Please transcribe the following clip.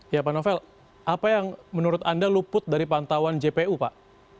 ya pak novel apa yang menurut anda luput dari pantauan jpu pak